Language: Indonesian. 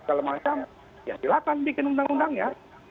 dan semacamnya ya silakan bikin undang undangnya